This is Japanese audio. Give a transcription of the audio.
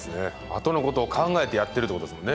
後のことを考えてやってるってことですもんね。